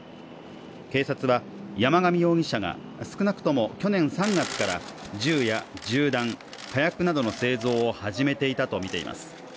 警察は、山上容疑者が少なくとも去年３月から銃や銃弾、火薬などの製造を始めていたとみています。